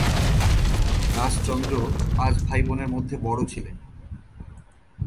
রাজচন্দ্র পাঁচ ভাইবোনের মধ্যে বড়ো ছিলেন।